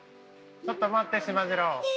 ちょっと待ってしまじろう。